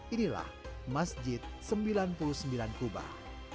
inilah masjid sembilan puluh sembilan kubah